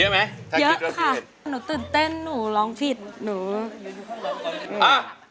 ไม่ใช้